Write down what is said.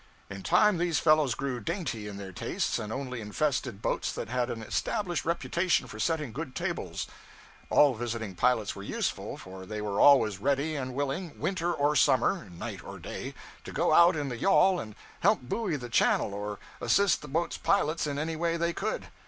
In time these fellows grew dainty in their tastes, and only infested boats that had an established reputation for setting good tables. All visiting pilots were useful, for they were always ready and willing, winter or summer, night or day, to go out in the yawl and help buoy the channel or assist the boat's pilots in any way they could.